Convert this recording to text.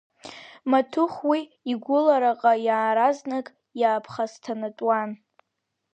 Маҭыхә уи игәалаҟара иаразнак иааԥхасҭанатәуан.